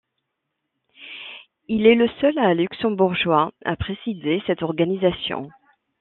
Il est le seul Luxembourgeois à présider cette organisation.